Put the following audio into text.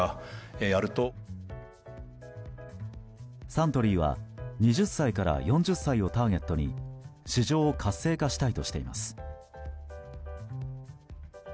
サントリーは２０歳から４０歳をターゲットに市場を活性化したいとしています。